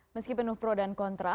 meski penuh pro dan kontra